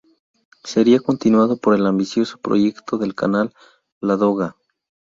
Sería continuado por el ambicioso proyecto del canal Ladoga.